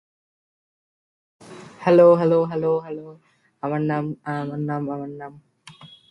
এই ধারাবাহিকের প্রথম পর্বের কিছু অংশ দার্জিলিং এ শুটিং করা হয়েছে।